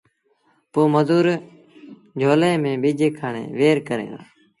پو مزور جھولي ميݩ ٻج کڻي وهير ڪريݩ دآ